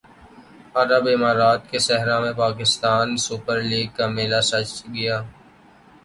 عرب امارات کے صحرا میں پاکستان سپر لیگ کا میلہ سج گیا